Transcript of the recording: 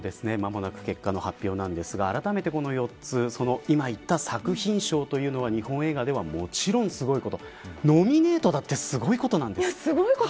間もなく結果の発表なんですがあらためてこの４つ今言った作品賞というのは日本映画ではもちろんすごいことノミネートだってすごいことなんです。